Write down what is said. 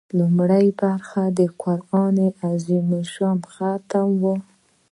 لومړۍ برخه د قران عظیم الشان ختم و.